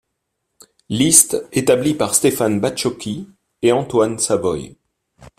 Liste établie par Stéphane Baciocchi et Antoine Savoye.